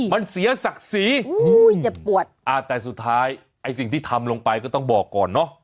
มันเสียศักดิ์ศรีอุ้ยเจ็บปวดอ่าแต่สุดท้ายไอ้สิ่งที่ทำลงไปก็ต้องบอกก่อนเนอะ